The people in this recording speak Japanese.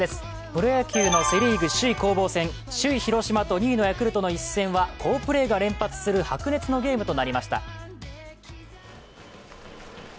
プロ野球のセ・リーグ首位攻防戦、首位広島と２位ヤクルトの対戦は好プレーが連発する白熱のゲームとなりました。